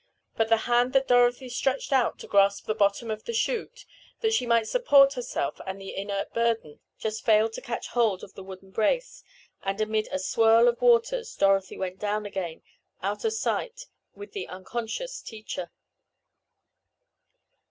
But the hand that Dorothy stretched out to grasp the bottom of the chute, that she might support herself and the inert burden, just failed to catch hold of the wooden brace, and, amid a swirl of waters Dorothy went down again, out of sight, with the unconscious teacher.